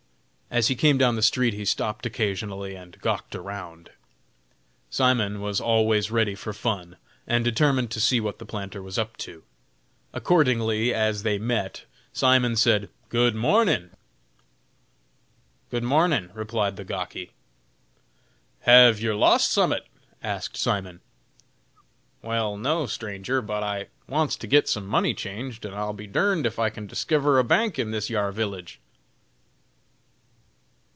As he came down the street he stopped occasionally and gawked around. Simon was always ready for fun, and determined to see what the planter was up to. Accordingly, as they met, Simon said, "Good mornin'!" "Good mornin'!" replied the gawky. "Have yer lost summat?" asked Simon. "Wal, no, stranger, but I wants to git some money changed, and I'll be durned if I can diskiver a bank in this yar village."